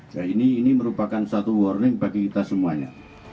ya ini merupakan satu warning bagi kita semuanya